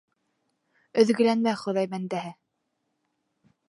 Өҙгөләнмә, Хоҙай бәндәһе!